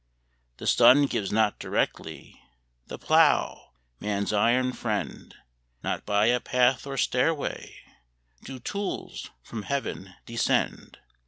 The sun gives not directly The plough, man's iron friend; Not by a path or stairway Do tools from Heaven descend.